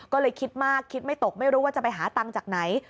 ก็เลยคิดมากคิดไม่ตกไม่รู้ว่าจะไปหาตังค์จากไหน